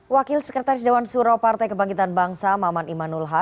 wakil sekretaris dewan suro partai kebangkitan bangsa maman imanulha